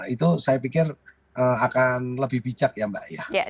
itu saya pikir akan lebih bijak ya mbak ya